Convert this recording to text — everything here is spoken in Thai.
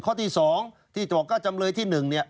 ข้อที่สองที่บอกก็จำเลยที่หนึ่งเนี่ย